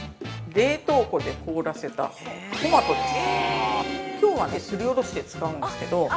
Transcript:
冷凍庫で凍らせた、トマトです。